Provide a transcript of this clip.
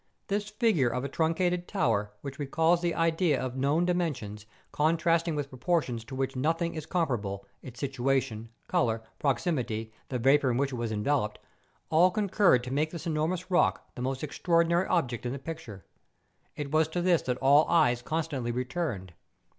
This figure of a truncated tower which recalls the idea of known di¬ mensions, contrasting with proportions to which no¬ thing is comparable, its situation, colour, proximity, the vapour in which it was enveloped, all concurred to make this enormous rock the most extraordinary object in the picture. It was to this that all eyes constantly returned.